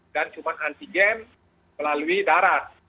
cuma antigen melalui darat